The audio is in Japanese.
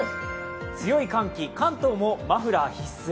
強い寒気、関東もマフラー必須へ。